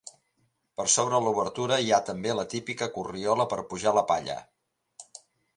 Per sobre l'obertura hi ha també la típica corriola per pujar la palla.